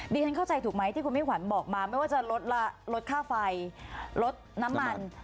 ฉันเข้าใจถูกไหมที่คุณมิ่งขวัญบอกมาไม่ว่าจะลดลดค่าไฟลดน้ำมัน